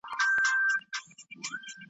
ځان به هېر کې ما به نه سې هېرولای .